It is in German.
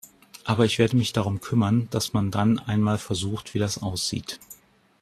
Aber ich werde mich darum kümmern, dass man dann einmal versucht, wie das aussieht.